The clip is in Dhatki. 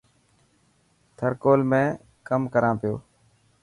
ٿر ڪول ۾ ڪم ڪران پيو.